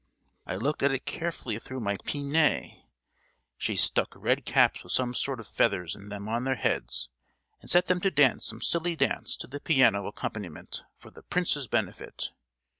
I looked at it carefully through my pince nez! She's stuck red caps with some sort of feathers in them on their heads, and set them to dance some silly dance to the piano accompaniment for the prince's benefit!